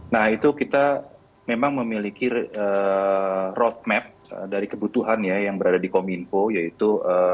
nah itu kita memang memiliki roadmap dari kebutuhan ya yang berada di kominfo yaitu